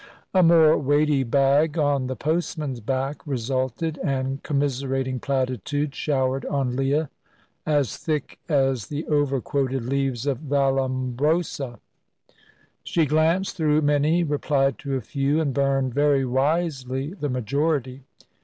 A more weighty bag on the postman's back resulted, and commiserating platitudes showered on Leah, as thick as the over quoted leaves of Vallombrosa. She glanced through many, replied to a few, and burned very wisely the majority.